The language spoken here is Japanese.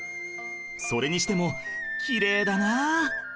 それにしてもきれいだな